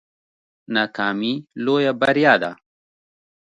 ناکامي لویه بریا ده